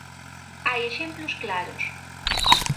Hai exemplos claros.